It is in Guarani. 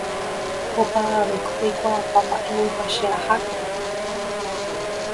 Opavavévako peikuaapa mba'éguipa che ahákuri